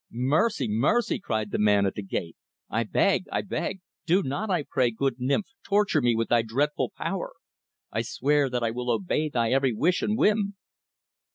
"Mercy, mercy!" cried the man at the gate. "I beg! I beg! Do not, I pray, good nymph, torture me with thy dreadful power. I swear that I will obey thy every wish and whim."